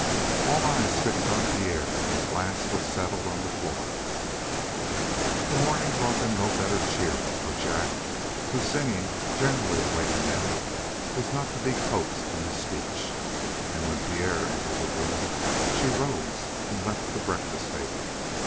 All eyes fixed on Pierre, and his glance was settled on the floor. The morning brought them no better cheer, for Jack, whose singing generally wakened them, was not to be coaxed into speech, and when Pierre entered the room she rose and left the breakfast table.